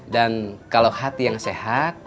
dan kalau hati yang sehat